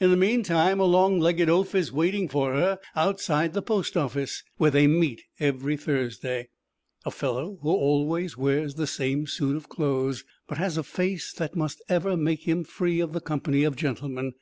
In the meantime a long legged oaf is waiting for her outside the post office, where they meet every Thursday, a fellow who always wears the same suit of clothes, but has a face that must ever make him free of the company of gentlemen.